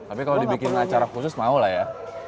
tapi kalau dibikin acara khusus mau lah ya